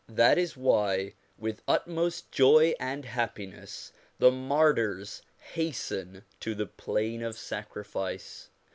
That is why with utmost joy and happiness the martyrs hasten to the plain of sacrifice.